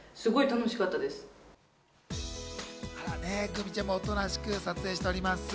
ぐみちゃんもおとなしく撮影しております。